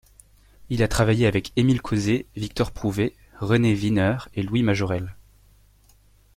Il a travaillé avec Emil Causé, Victor Prouvé, René Wiener et Louis Majorelle.